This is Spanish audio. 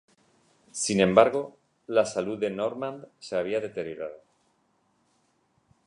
Sin embargo, la salud de Normand se había deteriorado.